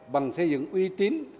bằng xây dựng uy tín